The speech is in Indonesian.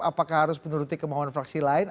apakah harus menuruti kemauan fraksi lain